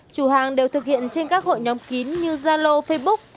chủ hàng đều thực hiện trên các hội nhóm kín như zalo facebook